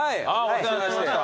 お世話になりました。